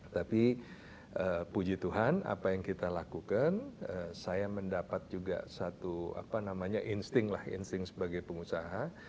tapi puji tuhan apa yang kita lakukan saya mendapat juga satu apa namanya insting lah insting sebagai pengusaha